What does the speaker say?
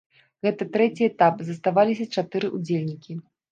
Гэта трэці этап, заставаліся чатыры удзельнікі.